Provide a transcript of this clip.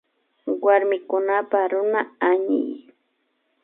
Warmikunapak Runa hañiy